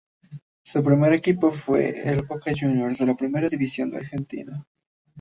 Su primer equipo fue el Boca Juniors de la Primera División de Argentina.